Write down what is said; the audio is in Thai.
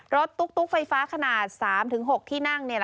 รถตุ๊กตุ๊กไฟฟ้าขนาด๓๖ที่นั่ง